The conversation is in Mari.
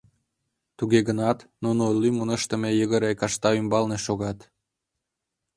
Туге гынат, нуно лӱмын ыштыме йыгыре кашта ӱмбалне шогат...